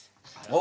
あ。